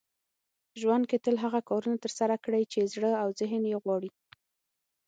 ژوند کې تل هغه کارونه ترسره کړئ چې زړه او ذهن يې غواړي .